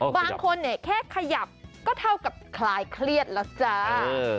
บางคนเนี่ยแค่ขยับก็เท่ากับคลายเครียดแล้วจ้า